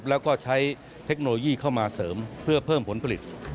แล้วก็ใช้เทคโนโลยีเข้ามาเสริมเพื่อเพิ่มผลผลิต